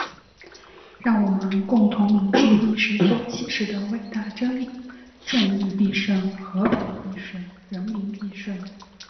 让我们共同铭记历史所启示的伟大真理：正义必胜！和平必胜！人民必胜！